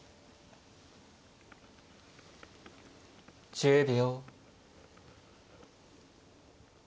１０秒。